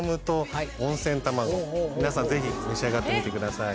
皆さんぜひ召し上がってみてください。